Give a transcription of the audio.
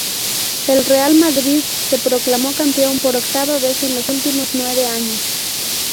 El Real Madrid se proclamó campeón, por octava vez en los últimos nueve años.